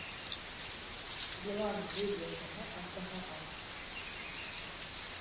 Йылан йөҙ йәшәһә аждаһаға